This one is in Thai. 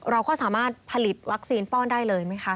เราก็สามารถผลิตวัคซีนป้อนได้เลยไหมคะ